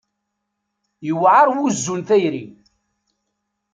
Yewɛaṛ wuzzu n tayri.